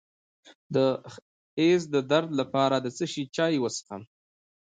د حیض د درد لپاره د څه شي چای وڅښم؟